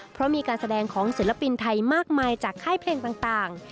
เพราะมีการแสดงของศิลปินไทยมากมายจากค่ายเพลงต่าง